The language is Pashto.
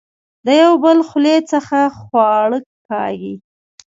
د يو بل خولې څخه خواړۀ کاږي